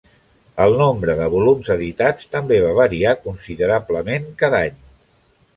El nombre de volums editats també va variar considerablement cada any.